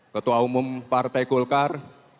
ketua umum partai gulkar